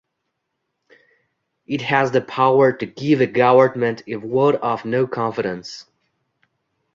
It has the power to give a Government a vote of no confidence.